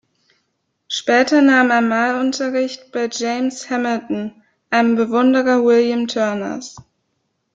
Später nahm er Malunterricht bei James Hamilton, einem Bewunderer William Turners.